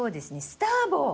スターボー！